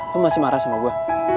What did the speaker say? lu masih marah sama gua